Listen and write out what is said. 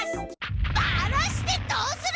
ばらしてどうする！？